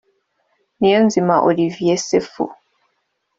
Niyonzima Olivier Sefu